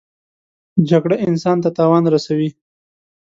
جګړه انسان ته تاوان رسوي